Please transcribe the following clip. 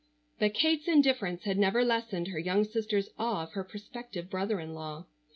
But Kate's indifference had never lessened her young sister's awe of her prospective brother in law.